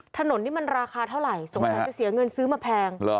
ถนนนี่มันราคาเท่าไหร่สงสัยจะเสียเงินซื้อมาแพง